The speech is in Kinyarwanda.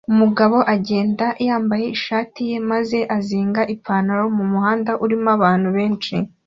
Umugabo agenda yambaye ishati ye maze azinga ipantaro mumuhanda urimo abantu benshi